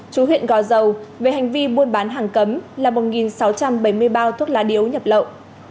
chú huyện gò dầu về hành vi buôn bán hàng cấm là một sáu trăm bảy mươi bao thuốc lá điếu nhập lậu